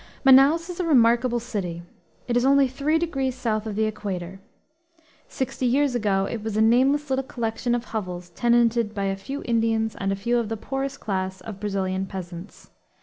Manaos is a remarkable city. It is only three degrees south of the equator. Sixty years ago it was a nameless little collection of hovels, tenanted by a few Indians and a few of the poorest class of Brazilian peasants.